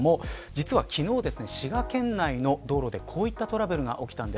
昨日、滋賀県内の道路でこういったトラブルが起きたんです。